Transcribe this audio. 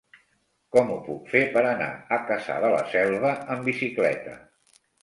Com ho puc fer per anar a Cassà de la Selva amb bicicleta?